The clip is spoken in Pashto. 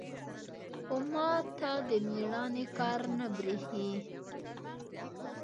خو ما ته د ميړانې کار نه بريښي.